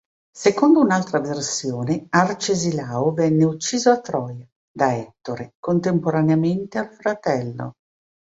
Secondo un'altra versione, Arcesilao venne ucciso a Troia da Ettore contemporaneamente al fratello.